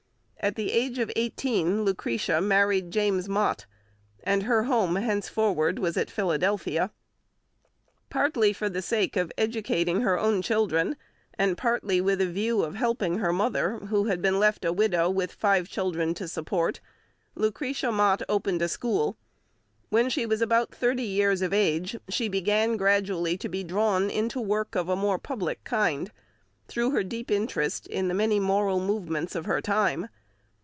At the age of eighteen Lucretia married James Mott, and her home henceforward was at Philadelphia. Partly for the sake of educating her own children, and partly with the view of helping her mother, who had been left a widow with five children to support, Lucretia Mott opened a school. When she was about thirty years of age she began gradually to be drawn into work of a more public kind, through her deep interest in many moral movements of her time.